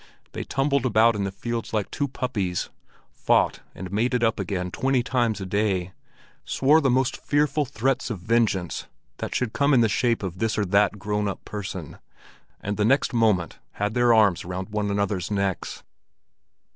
They tumbled about in the field like two puppies, fought and made it up again twenty times a day, swore the most fearful threats of vengeance that should come in the shape of this or that grown up person, and the next moment had their arms round one another's necks.